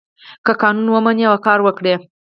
که قانون ومني او کار وکړي.